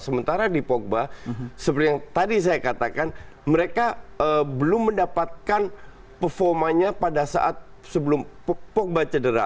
sementara di pogba seperti yang tadi saya katakan mereka belum mendapatkan performanya pada saat sebelum pogba cedera